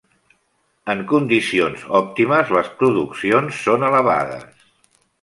En condicions òptimes les produccions són elevades.